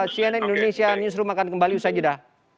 cnn indonesia newsroom akan kembali usai jeda